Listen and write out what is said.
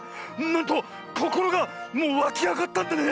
なんとこころがもうわきあがったんだね！